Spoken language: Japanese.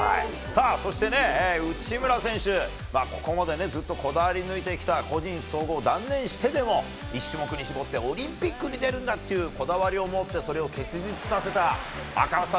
内村選手、ここまでずっとこだわり抜いてきた個人総合断念してでも１種目でもオリンピックに出るんだというこだわりを持って結実させた赤星さん